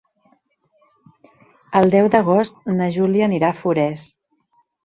El deu d'agost na Júlia anirà a Forès.